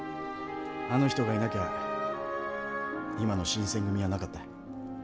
あの人がいなきゃ今の新選組はなかった。